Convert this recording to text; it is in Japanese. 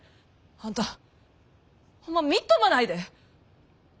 あんたホンマみっともないで。